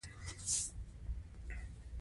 دا پروسه د اصلي فعالیتونو په صفت ومني.